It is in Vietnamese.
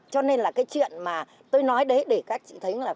cho nên là cái chuyện mà tôi nói đấy để các chị thấy là